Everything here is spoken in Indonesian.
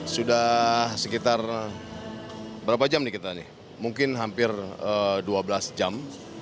sudah sekitar berapa jam nih kita nih mungkin hampir dua belas jam